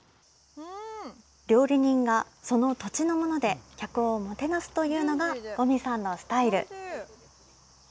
料理人がその土地のもので、客をもてなすというのが五味さんのスタイル。